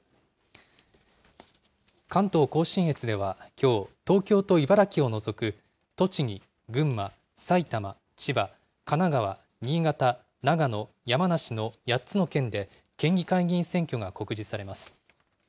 関東甲信越ではきょう、東京と茨城を除く栃木、群馬、埼玉、千葉、神奈川、新潟、長野、山梨の８つの県で県議会議員選挙が告示されます。